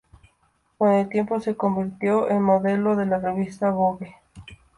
Con el tiempo se convirtió en modelo de la revista "Vogue".